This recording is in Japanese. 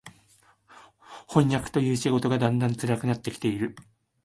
飜訳という仕事がだんだん辛くなって来ている